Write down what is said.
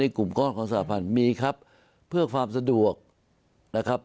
กลุ่มก้อนของสหพันธุ์มีครับเพื่อความสะดวกนะครับ